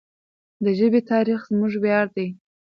د ژبې تاریخ زموږ ویاړ دی.